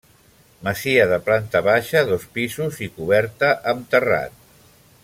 Masia de planta baixa, dos pisos i coberta amb terrat.